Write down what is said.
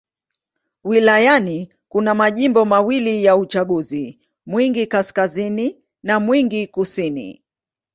Wilayani kuna majimbo mawili ya uchaguzi: Mwingi Kaskazini na Mwingi Kusini.